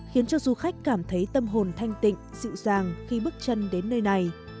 khiến cho du khách cảm thấy tâm hồn thanh tịnh dịu dàng khi bước chân đến nơi này